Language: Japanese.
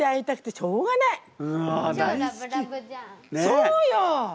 そうよ！